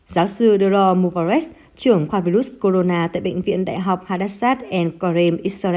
giáo sư delore muvarez trưởng khoa virus corona tại bệnh viện đại học hadassat korem